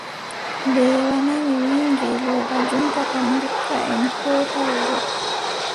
Mbeewa nani wiʼi ngeelooba jonta kam, ndikka en koota wuro.